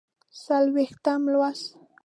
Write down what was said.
څلوېښتم لوست